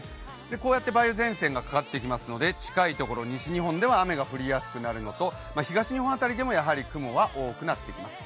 こうやって梅雨前線がかかってくるので近いところ、西日本では雨が多くなるのと東日本辺りでも雲が多くなってきます。